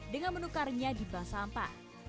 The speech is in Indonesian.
dengan menukarnya di bank sampah